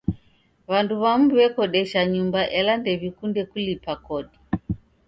W'andu w'amu w'ekodesha nyumba ela ndew'ikunde kulipa kodi.